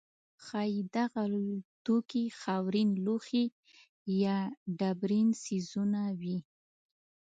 ښایي دغه توکي خاورین لوښي یا ډبرین څیزونه وي.